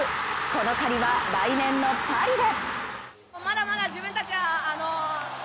この借りは来年のパリで。